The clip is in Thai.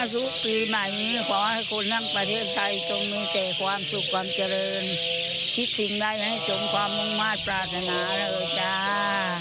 ทุกปีใหม่ขอให้คนทั้งประเทศไทยจงมีเจความสุขความเจริญคิดถึงได้ให้ชมความมั่นมากปราศนาแล้วจ้า